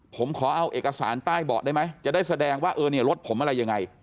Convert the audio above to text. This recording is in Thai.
ผมขอเอาเอกสารใต้เบาะได้ไหมจะได้แสดงว่าเออเนี่ยรถผมอะไรยังไง